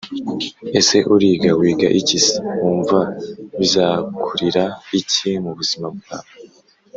Ese uriga? Wiga iki se? wumva bizakurira iki mu buzima bwawe